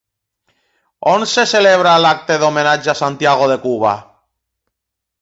On se celebrarà l'acte d'homenatge a Santiago de Cuba?